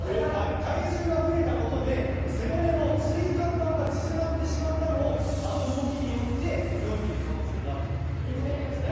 体重が増えたことで背骨の椎間板が縮まってしまったのをあの動きによって伸びている可能性があるということなんですね。